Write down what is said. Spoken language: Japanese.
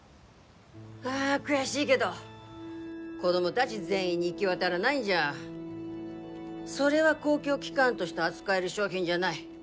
あ悔しいげど子供だぢ全員に行ぎ渡らないんじゃそれは公共機関として扱える商品じゃない。